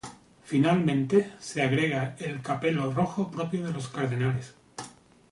Finalmente, se agrega el capelo rojo propio de los cardenales.